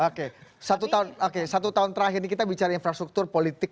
oke satu tahun oke satu tahun terakhir ini kita bicara infrastruktur politik